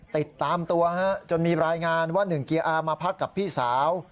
ติดตามตัวจนมีรายงานว่าหนึ่งเกียร์อามาพักกับพี่สาว